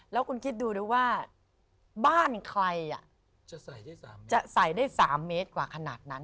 แล้วคุณคิดดูด้วยว่าบ้านใครจะใส่ได้๓เมตรกว่าขนาดนั้น